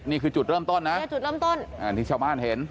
นี่คือจุดเริ่มต้อนนะนะครับอ๋อนี่เฉ่าบ้านเห็น